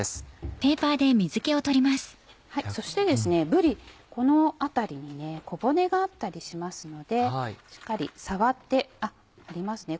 そしてですねぶりこの辺りに小骨があったりしますのでしっかり触ってあっありますね。